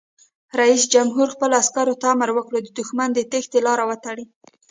رئیس جمهور خپلو عسکرو ته امر وکړ؛ د دښمن د تیښتې لارې وتړئ!